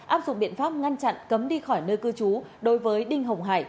áp dụng biện pháp ngăn chặn cấm đi khỏi nơi cư trú đối với đinh hồng hải